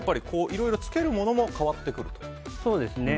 いろいろつけるものも変わってくると。